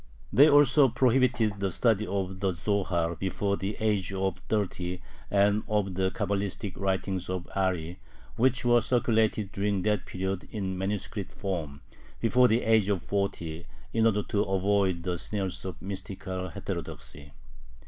They also prohibited the study of the Zohar before the age of thirty and of the Cabalistic writings of Ari, which were circulated during that period in manuscript form, before the age of forty in order to avoid the snares of mystical heterodoxy.